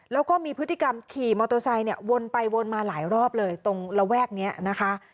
แล้วก็มีพฤติกรรมขี่มอเตอร์ไซค์เนี่ยวนไปวนมาหลายรอบเลยตรงระแวกนี้นะคะ